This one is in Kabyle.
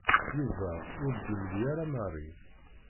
Yuba ur d-yemli ara Mary.